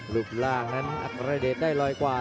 ลูกล่างนั้นอัคคลาเดชได้รอยกว่า